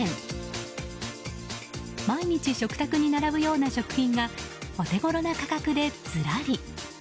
毎日食卓に並ぶような食品がお手ごろな価格でずらり。